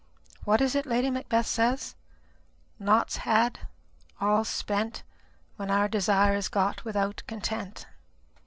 What is it Lady Macbeth says? 'Naught's had, all's spent, when our desire is got without content.'